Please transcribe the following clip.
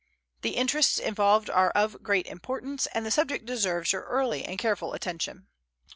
The interests involved are of great importance, and the subject deserves your early and careful attention.